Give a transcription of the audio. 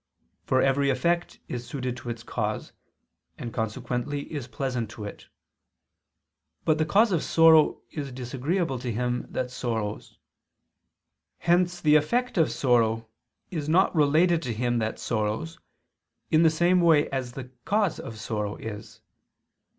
For every effect is suited to its cause, and consequently is pleasant to it; but the cause of sorrow is disagreeable to him that sorrows. Hence the effect of sorrow is not related to him that sorrows in the same way as the cause of sorrow is.